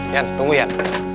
yan tunggu yan